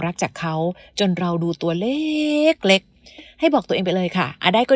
จากเขาจนเราดูตัวเล็กให้บอกตัวเองไปเลยค่ะได้ก็